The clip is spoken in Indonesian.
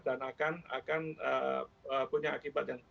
dan akan punya akibat yang